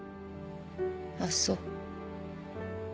あっそう。